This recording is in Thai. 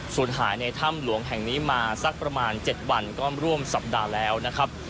หายในถ้ำหลวงแห่งนี้มาสักประมาณ๗วันก็ร่วมสัปดาห์แล้วนะครับ